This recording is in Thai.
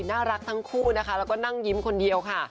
น่ารักทั้งคู่นะคะแล้วก็นั่งยิ้มคนเดียวค่ะ